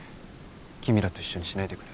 君らと一緒にしないでくれ。